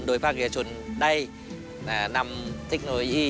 ภาคเอกชนได้นำเทคโนโลยี